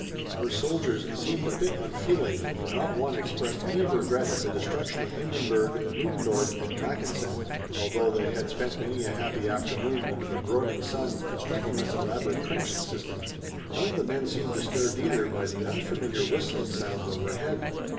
Our soldiers seemed a bit unfeeling, for not one expressed any regret at the destruction of Hindenburg, Ludendorff, and Mackensen, although they had spent many a happy afternoon under the broiling sun constructing this elaborate trench system. None of the men seemed disturbed, either, by the unfamiliar whistling sounds over head.